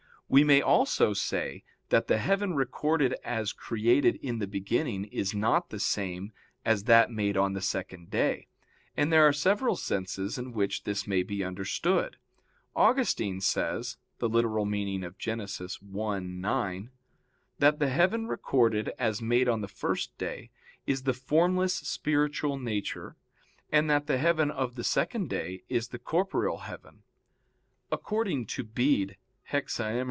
We may also say that the heaven recorded as created in the beginning is not the same as that made on the second day; and there are several senses in which this may be understood. Augustine says (Gen. ad lit. i, 9) that the heaven recorded as made on the first day is the formless spiritual nature, and that the heaven of the second day is the corporeal heaven. According to Bede (Hexaem.